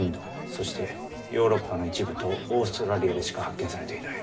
そしてヨーロッパの一部とオーストラリアでしか発見されていない。